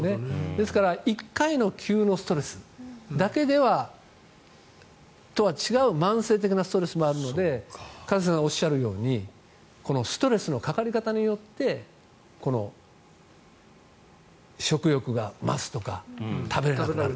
ですから１回の急なストレスとは違う慢性的なストレスもあるので一茂さんがおっしゃるようにストレスのかかり方によって食欲が増すとか食べられなくなる。